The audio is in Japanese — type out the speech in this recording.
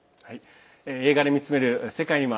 「映画で見つめる世界のいま」。